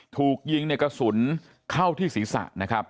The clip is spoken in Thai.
ถูกยิงในกระสุนเข้าที่ศีรษะนะครับ